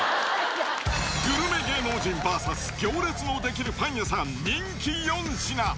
グルメ芸能人ＶＳ行列の出来るパン屋さん、人気４品。